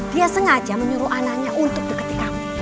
dia sengaja menyuruh anaknya untuk deketi kamu